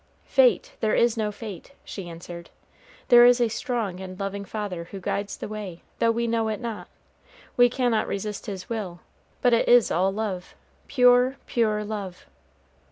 "Fate! there is no fate," she answered; "there is a strong and loving Father who guides the way, though we know it not. We cannot resist His will; but it is all love, pure, pure love."